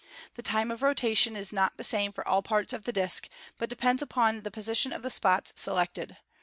The time of rotation is not the same for all parts of the disk, but depends upon the position of the spots selected.